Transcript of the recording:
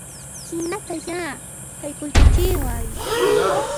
Hinata ya, haykuykuchiway